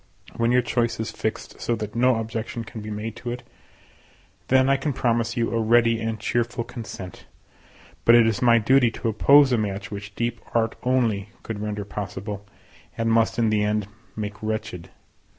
When your choice is fixed so that no objection can be made to it, then I can promise you a ready and cheerful consent; but it is my duty to oppose a match which deep art only could render possible, and must in the end make wretched.